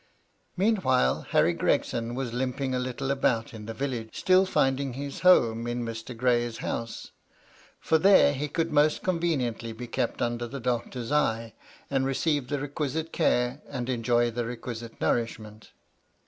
Meanwhile, Harry Gregson was limping a little about in the village, still finding his home in Mr. Gray's house ; for there he could most conveniently be kept under the doctor's eye, and receive the requisite care, and enjoy the requisite nourishment.